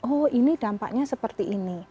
oh ini dampaknya seperti ini